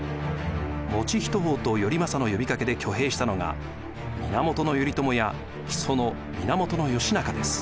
以仁王と頼政の呼びかけで挙兵したのが源頼朝や木曽の源義仲です。